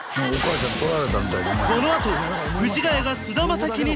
このあと藤ヶ谷が菅田将暉に嫉妬！？